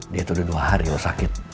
dia tuh udah dua hari loh sakit